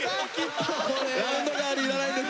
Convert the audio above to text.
ラウンドガールいらないです！